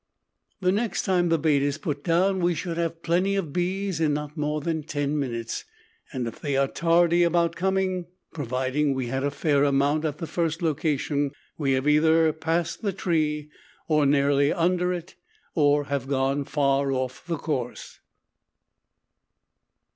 The next time the bait is put down we should have plenty of bees in not more than ten minutes, and if they are tardy about coming, providing we had a fair amount at the first location, we have either passed the tree, are nearly under it, or have gone far off the course.